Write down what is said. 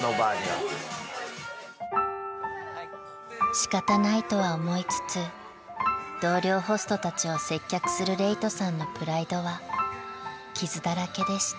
［仕方ないとは思いつつ同僚ホストたちを接客する礼人さんのプライドは傷だらけでした］